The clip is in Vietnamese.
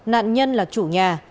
nạn nhân là chủ nhà